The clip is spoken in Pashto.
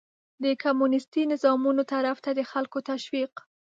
د کمونيستي نظامونو طرف ته د خلکو تشويق